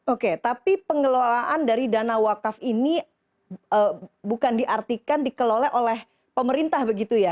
oke tapi pengelolaan dari dana wakaf ini bukan diartikan dikelola oleh pemerintah begitu ya